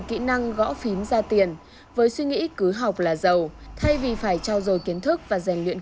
kỹ năng gõ phín ra tiền với suy nghĩ cứ học là giàu thay vì phải trao dồi kiến thức và rèn luyện